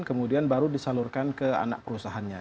kemudian baru disalurkan ke anak perusahaannya